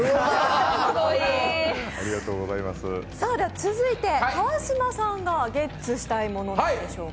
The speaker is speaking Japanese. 続いて、川島さんがゲッツしたものは何でしょうか？